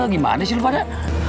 gimana sih lu pada